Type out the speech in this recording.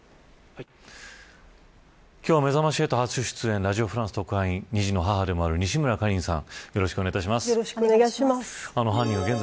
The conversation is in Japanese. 今日はめざまし８初出演ラジオ・フランス特派員２児の母でもある西村カリンさん